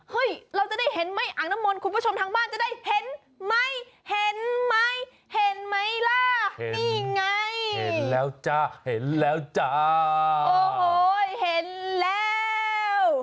เราจะได้เห็นไหมอ่างน้ำมนต์คุณผู้ชมทางบ้านจะได้เห็นไหมเห็นไหมเห็นไหมล่ะนี่ไงเห็นแล้วจ้าเห็นแล้วจ้าโอ้โหเห็นแล้ว